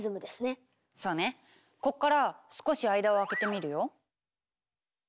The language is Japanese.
こっから少し間を空けてみるよ。